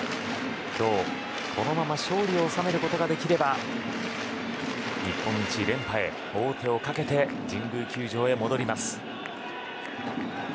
今日、このまま勝利を収めることができれば日本一、連覇へ王手をかけて神宮球場に戻ります。